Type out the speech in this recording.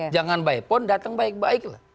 jangan by phone datang baik baik lah